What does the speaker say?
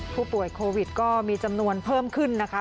ผู้ป่วยโควิดก็มีจำนวนเพิ่มขึ้นนะคะ